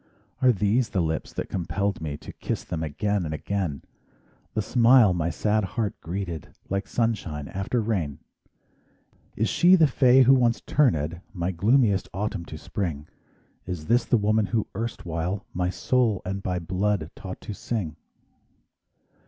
Are these the lips that compelled me To kiss them again and again? The smile my sad heart greeted Like sunshine after rain? Is she the fay who once turned My gloomiest autumn to Spring? Is this the woman who erstwhile My soul and by blood taught to sing?